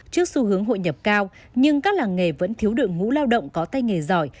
trước xu hướng hội nhập cao nhưng các làng nghề vẫn thiếu đội ngũ lao động có tay nghề giỏi